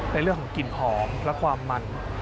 ในเรื่องของกลิ่นหอมและความมัน